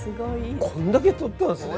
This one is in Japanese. こんだけ採ったんですね。